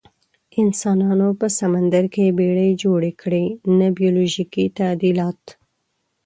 انسانانو په سمندر کې بیړۍ جوړې کړې، نه بیولوژیکي تعدیلات.